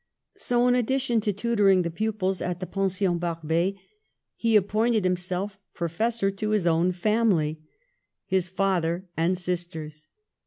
So, in addition to tutoring the pupils at the Pension Barbet, he appointed himself professor to his own family, his father and sisters.